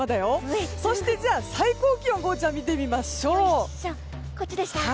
そして、最高気温を見てみましょう。